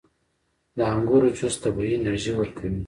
• د انګورو جوس طبیعي انرژي ورکوي.